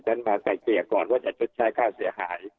อย่างนั้นก็จะมาใส่เกลียดก่อนว่าจะชดใช้ความเสียหาย